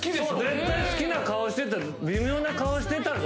絶対好きな顔してた微妙な顔してたぞ・